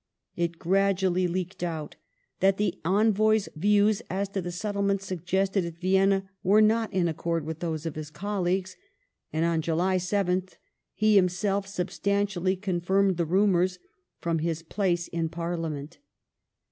It gradu ally leaked out that the envoy's views as to the settlement suggested at Vienna were not in accord with those of his colleagues, and on July 7th he himself substantially confirmed the rumours from his place in Pai'liament.